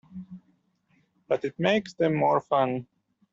But it makes them more fun!